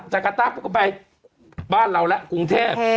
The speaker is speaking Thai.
จากตะเขาก็ไปบ้านเราแหละกรุงเทพฯ